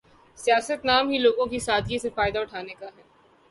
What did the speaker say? سیاست نام ہی لوگوں کی سادگی سے فائدہ اٹھانے کا ہے۔